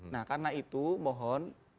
nah karena itu mohon